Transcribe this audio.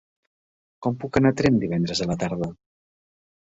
Com puc anar a Tremp divendres a la tarda?